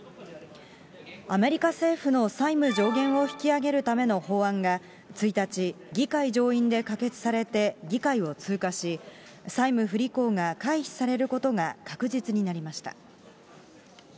アメリカ政府の債務上限を引き上げるための法案が、１日、議会上院で可決されて、議会を通過し、債務不履行が回避されることが確実になりました。